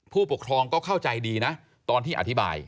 ผู้ปกครองก็เข้าใจดีนะตอนที่อธิบาย